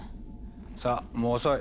さあもう遅い。